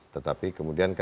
tetapi kemudian kan